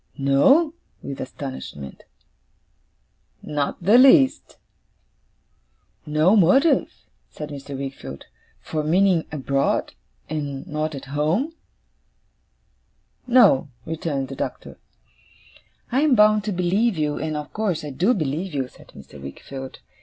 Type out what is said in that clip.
'No?' with astonishment. 'Not the least.' 'No motive,' said Mr. Wickfield, 'for meaning abroad, and not at home?' 'No,' returned the Doctor. 'I am bound to believe you, and of course I do believe you,' said Mr. Wickfield.